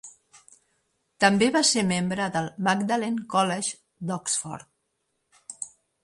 També va ser membre del Magdalen College d'Oxford.